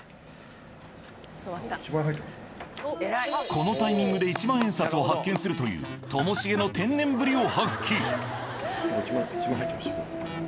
このタイミングで１万円札を発見するというともしげの天然ぶりを発揮。